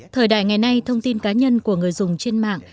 thời đại ngày nay thông tin cá nhân của người dùng trên mạng